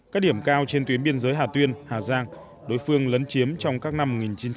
các điểm cao trên tuyến biên giới hà tuyên hà giang đối phương lấn chiếm trong các năm một nghìn chín trăm bảy mươi